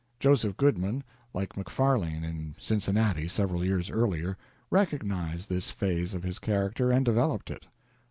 Joseph Goodman, like Macfarlane in Cincinnati several years earlier, recognized this phase of his character and developed it.